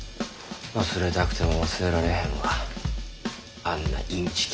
忘れたくても忘れられへんわあんなインチキ。